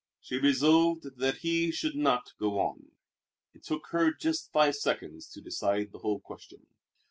She resolved that he should not go on. It took her just five seconds to decide the whole question.